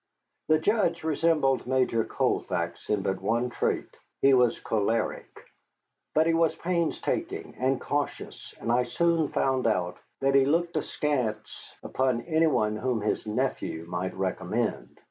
The Judge resembled Major Colfax in but one trait: he was choleric. But he was painstaking and cautious, and I soon found out that he looked askance upon any one whom his nephew might recommend.